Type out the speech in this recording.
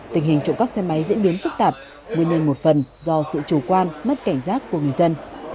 tình hình trộm cắp xe máy diễn biến phức tạp nguyên nhân một phần do sự chủ quan mất cảnh giác của người dân